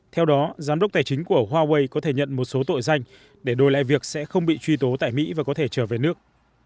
theo đó giám đốc tài chính của huawei có thể nhận một số tội danh để đổi lại việc sẽ không bị truy tố tại mỹ và có thể trở về nước